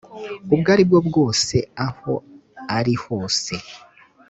ubwo ari bwo bwose aho ari hose